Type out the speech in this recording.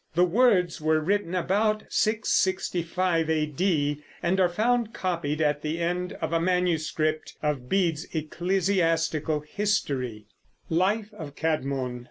The words were written about 665 A.D. and are found copied at the end of a manuscript of Bede's Ecclesiastical History. LIFE OF CæDMON.